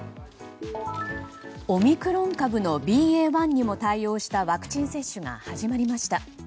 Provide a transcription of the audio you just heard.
オミクロン株のＢＡ．１にも対応したワクチン接種が始まりました。